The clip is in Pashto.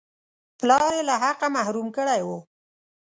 پلار یې له حقه محروم کړی وو.